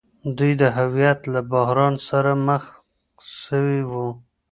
دوی د هويت له بحران سره مخ سوي وو.